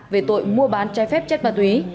về tội mua bán trái phép chất ma túy